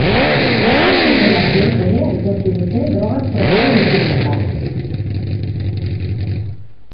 Beste hautagai batzuek ere aitortu dute drogak probatu dituztela.